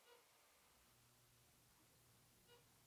elimu hii imekuwa ikisaidia sana katika kuelimisha jamii